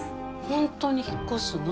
本当に引っ越すの？